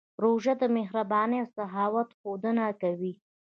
روژه د مهربانۍ او سخاوت ښودنه کوي.